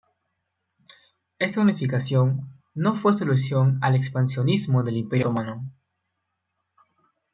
Esta unificación no fue solución al expansionismo del Imperio otomano.